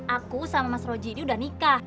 aku sama mas roji ini udah nikah